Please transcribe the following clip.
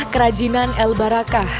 kerajinan el barakah